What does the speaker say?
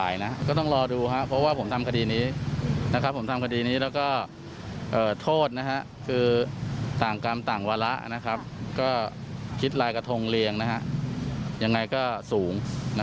อย่างไรก็สูงนะครับบอกเลยว่าสูง